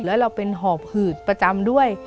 แล้วเราเป็นห่อผืดประจำด้วย